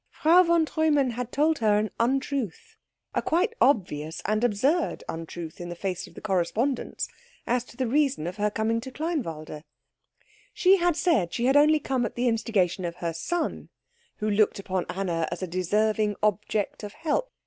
Frau von Treumann had told her an untruth, a quite obvious and absurd untruth in the face of the correspondence, as to the reason of her coming to Kleinwalde. She had said she had only come at the instigation of her son, who looked upon Anna as a deserving object of help.